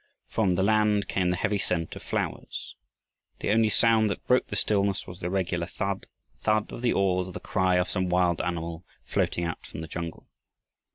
From the land came the heavy scent of flowers. The only sound that broke the stillness was the regular thud, thud of the oars or the cry of some wild animal floating out from the jungle.